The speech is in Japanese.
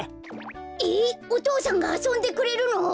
えっお父さんがあそんでくれるの？